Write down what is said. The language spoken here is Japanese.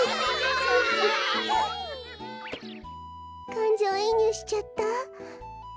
かんじょういにゅうしちゃった。